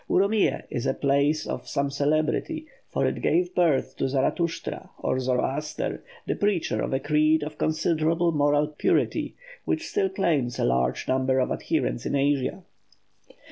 Urumiyéh is a place of some celebrity, for it gave birth to Zaravusthra (or Zoroaster), the preacher of a creed of considerable moral purity, which still claims a large number of adherents in Asia.